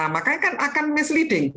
makanya kan akan misleading